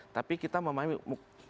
tapi kita memang